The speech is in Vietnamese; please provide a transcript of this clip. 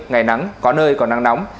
ngày nắng có nơi có nắng nóng